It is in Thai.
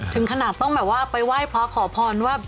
ถึงขนาดต้องแบบว่าไปไหว้พระขอพรว่า